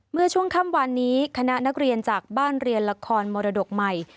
เมื่อช่วงค่ำวันนี้คณะนักเรียนจากบ้านเรียนละครมรดกใหม่